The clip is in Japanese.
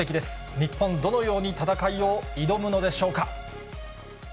日本、どのように戦いを挑むのでしょうか。